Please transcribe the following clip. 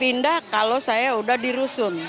pindah kalau saya udah di rusun